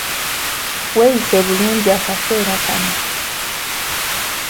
Weeyise bulungi akaseera kano.